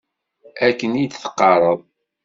Akken i d-teqqareḍ.